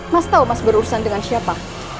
mas tahu mas berurusan dengan siapa